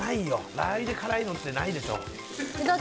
ラー油で辛いのってないでしょ。